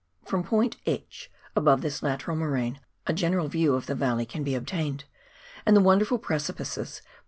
From Point H, above this lateral moraine, a general view of the valley can be obtained, and the wonderful precipices bound JLi.